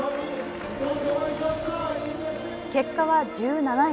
結果は１７位。